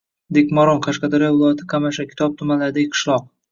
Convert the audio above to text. Dekmoron - Qashqadaryo viloyati Qamashi, Kitob tumanlaridagi qishloq.